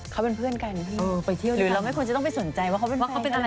เขาเป็นเพื่อนกันพี่เออไปเที่ยวหรือเราไม่ควรจะต้องไปสนใจว่าเขาเป็นอะไร